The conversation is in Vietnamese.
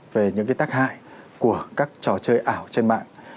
về những cái tác hại của các trò chơi ảo trên mạng